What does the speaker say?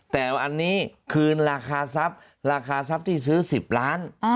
แต่อันนี้คือราคาทรัพย์ราคาทรัพย์ที่ซื้อ๑๐ล้าน